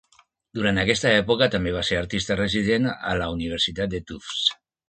Durant aquesta època, també va ser artista resident a la Universitat de Tufts.